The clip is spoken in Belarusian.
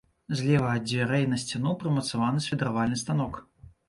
Злева ад дзвярэй на сцяну прымацаваны свідравальны станок.